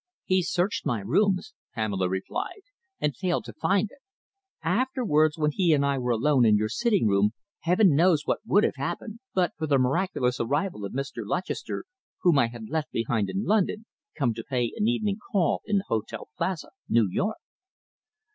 "He searched my rooms," Pamela replied, "and failed to find it. Afterwards, when he and I were alone in your sitting room, heaven knows what would have happened, but for the miraculous arrival of Mr. Lutchester, whom I had left behind in London, come to pay an evening call in the Hotel Plaza, New York!"